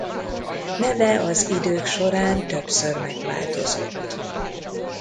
Neve az idők során többször megváltozott.